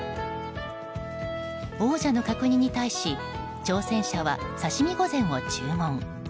王者の角煮に対し挑戦者は刺身御膳を注文。